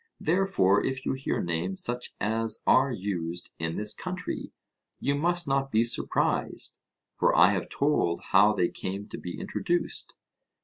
Therefore if you hear names such as are used in this country, you must not be surprised, for I have told how they came to be introduced.